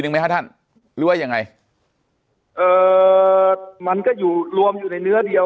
หนึ่งไหมครับท่านหรือว่ายังไงมันก็รวมอยู่ในเนื้อเดียว